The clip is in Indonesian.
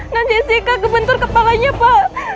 non jessica kebentur kepalanya pak